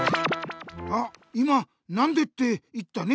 あっ今「なんで」って言ったね？